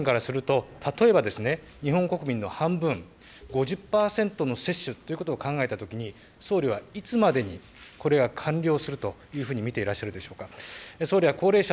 そういった観点からすると、例えば日本国民の半分、５０％の接種ということを考えたときに、総理はいつまでにこれが完了するというふうに見ていらっしゃるでしょうか。